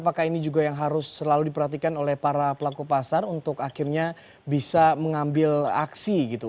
apakah ini juga yang harus selalu diperhatikan oleh para pelaku pasar untuk akhirnya bisa mengambil aksi gitu